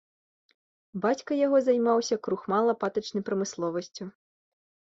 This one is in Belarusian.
Бацька яго займаўся крухмала-патачнай прамысловасцю.